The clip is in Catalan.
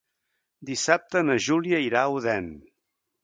Dissabte na Júlia irà a Odèn.